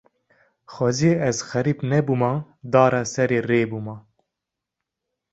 Xwezî ez xerîb nebûma, dara serê rê bûma